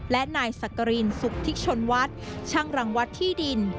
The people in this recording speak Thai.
และนายสักกรินสุขทิชนวัดช่างรังวัดที่ดิน